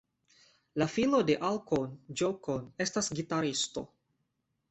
La filo de Al Cohn, Joe Cohn, estas gitaristo.